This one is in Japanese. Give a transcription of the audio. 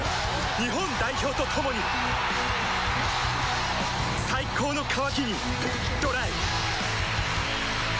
日本代表と共に最高の渇きにＤＲＹ